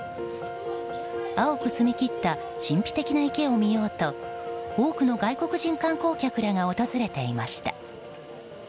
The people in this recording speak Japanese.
青く澄み切った神秘的な池を見ようと多くの外国人観光客らが訪れていました。